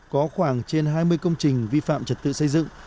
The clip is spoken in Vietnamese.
có khoảng trên hai mươi công trình vi phạm trật tự xây dựng